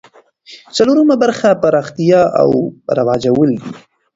څلورمه برخه پراختیا او رواجول دي.